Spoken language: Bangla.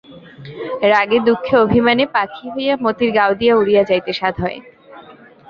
রাগে দুঃখে অভিমানে পাখি হইয়া মতির গাওদিয়া উড়িয়া যাইতে সাধ হয়।